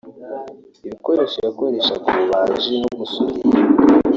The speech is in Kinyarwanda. ibikoresho yakoreshaga ububaji no gusudira